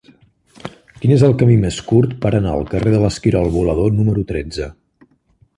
Quin és el camí més curt per anar al carrer de l'Esquirol Volador número tretze?